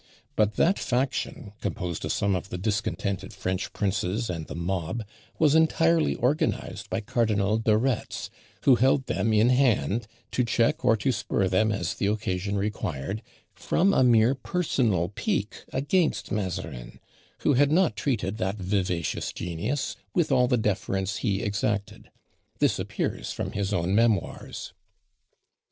But that faction, composed of some of the discontented French princes and the mob, was entirely organized by Cardinal de Retz, who held them in hand, to check or to spur them as the occasion required, from a mere personal pique against Mazarin, who had not treated that vivacious genius with all the deference he exacted. This appears from his own Memoirs.